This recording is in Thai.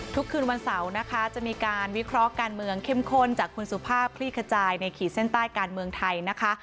คืนวันเสาร์นะคะจะมีการวิเคราะห์การเมืองเข้มข้นจากคุณสุภาพคลี่ขจายในขีดเส้นใต้การเมืองไทยนะคะ